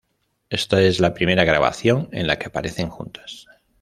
Esta es la primera grabación en la que aparecen juntas.